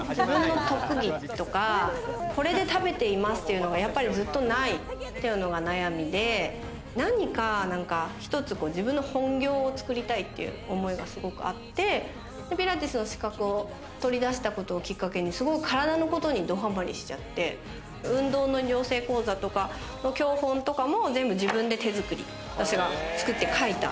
特技とか、これで食べてますっていうのが、ずっとないっていうのが悩みで、何か一つ自分の本業を作りたいという思いがすごくあって、ピラティスの資格を取りだしたことをきっかけに、体のことにどハマりして運動の養成講座とか教本とかも自分で手づくり、自分で作って書いた。